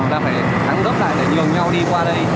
thì phải gắn gấp lại để nhường nhau đi qua đây